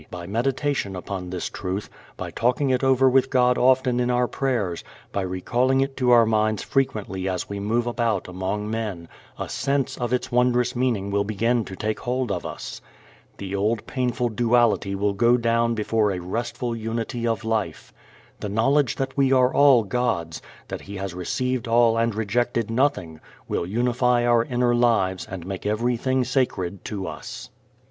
By meditation upon this truth, by talking it over with God often in our prayers, by recalling it to our minds frequently as we move about among men, a sense of its wondrous meaning will begin to take hold of us. The old painful duality will go down before a restful unity of life. The knowledge that we are all God's, that He has received all and rejected nothing, will unify our inner lives and make everything sacred to us.